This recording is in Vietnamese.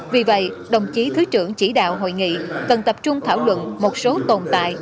vì vậy đồng chí thứ trưởng chỉ đạo hội nghị cần tập trung thảo luận một số tồn tại